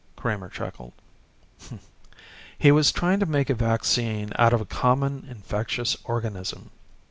Kramer chuckled. "He was trying to make a vaccine out of a common infectious organism.